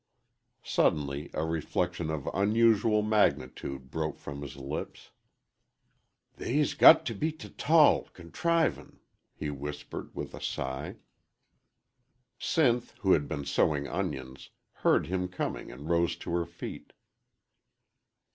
Suddenly a reflection of unusual magnitude broke from his lips. "They's g got t' be tall contrivin'," he whispered, with a sigh. Sinth, who had been sowing onions, heard him coming and rose to her feet.